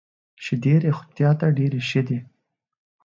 شیدې روغتیا ته ډېري ښه دي .